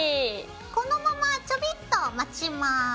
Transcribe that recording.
このままちょびっと待ちます。